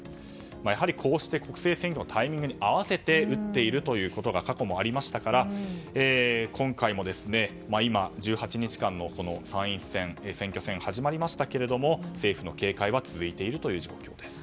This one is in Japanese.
やはりこうして国政選挙のタイミングに合わせて撃っているということが過去もありましたから今回も今、１８日間の参院選の選挙戦が始まりましたが政府の警戒は続いているという状況です。